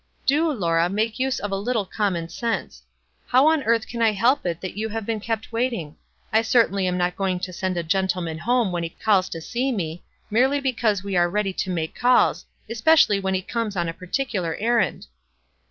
"Do, Laura, make use of a little common sense ! How on earth can I help it that you have been kept waiting? I certainly am not going to send a gentleman home when he calls to see me, merely because we are ready to make calls, especially when he comes on a particular errand."